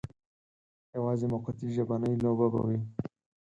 یوازې موقتي ژبنۍ لوبه به وي.